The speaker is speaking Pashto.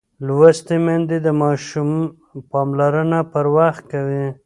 لوستې میندې د ماشوم پاملرنه پر وخت کوي.